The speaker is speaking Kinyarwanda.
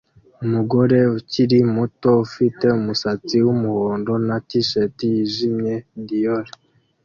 Umugore ukiri muto ufite umusatsi wumuhondo na t-shirt yijimye Dior